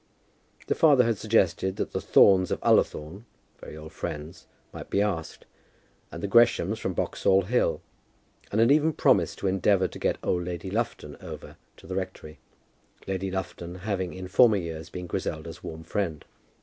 The father had suggested that the Thornes of Ullathorne, very old friends, might be asked, and the Greshams from Boxall Hill, and had even promised to endeavour to get old Lady Lufton over to the rectory, Lady Lufton having in former years been Griselda's warm friend.